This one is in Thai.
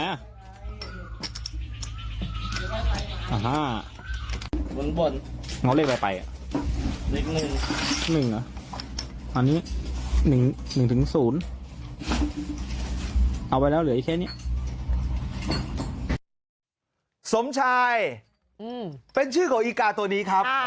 อันนี้๑ถึง๐เอาไว้แล้วเหลืออย่างเช่นสมชายเป็นชื่อของอิกาตัวนี้ครับ